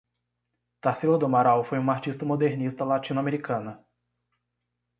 Tarsila do Amaral foi uma artista modernista latino-americana